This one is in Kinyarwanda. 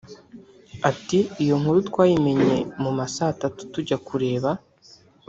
Ati “ Iyo nkuru twayimenye mu ma saa tatu tujya kureba